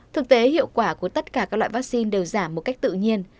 thực tế hiệu quả của tất cả các loại vaccine đều giảm một cách tự nhiên